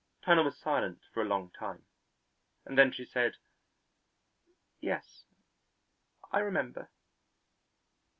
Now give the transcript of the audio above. Turner was silent for a long time, and then she said: "Yes, I remember."